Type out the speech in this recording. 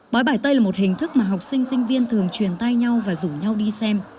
bói bải tây là một hình thức mà học sinh sinh viên thường truyền tay nhau và rủ nhau đi xem